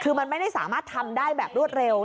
คือมันไม่ได้สามารถทำได้แบบรวดเร็ว